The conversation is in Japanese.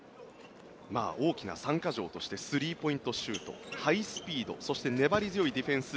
大きな３か条としてスリーポイントシュートハイスピードそして粘り強いディフェンス。